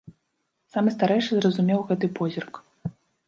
Самы старэйшы зразумеў гэты позірк.